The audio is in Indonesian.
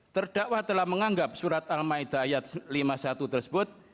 terdakwa telah menganggap surat al ma'idah lima puluh satu tersebut